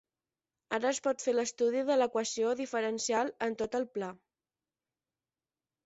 Ara es pot fer l'estudi de l'equació diferencial en tot el pla.